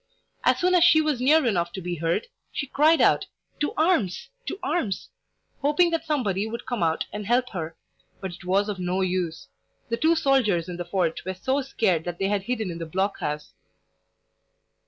As soon as she was near enough to be heard, she cried out: "To arms! to arms!" hoping that somebody would come out and help her; but it was of no use. The two soldiers in the fort were so scared that they had hidden in the block house.